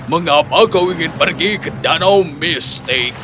mengapa kau ingin pergi ke danau mistik